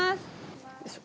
よいしょ。